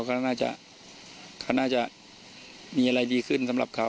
เขาน่าจะมีอะไรดีขึ้นสำหรับเขา